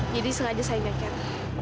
jadi sengaja saya nyeker